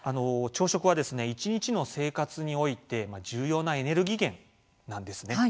朝食は一日の生活において重要なエネルギー源なんですね。